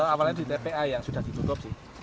awalnya di tpa yang sudah ditutup sih